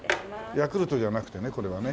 ヤクルトじゃなくてねこれはね。